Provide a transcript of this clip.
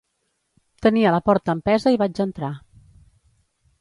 Tenia la porta empesa i vaig entrar.